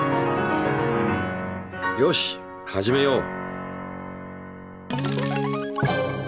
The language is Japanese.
よし始めよう！